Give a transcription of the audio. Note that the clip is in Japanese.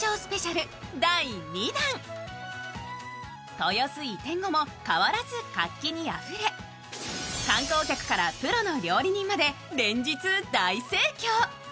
豊洲移転後も、変わらず活気にあふれ、観光客からプロの料理人まで連日、大盛況。